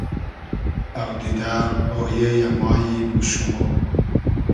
اودیدۂ ، اۉیې یۂ ، مایم و شومۉ